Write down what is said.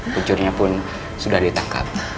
kucurnya pun sudah ditangkap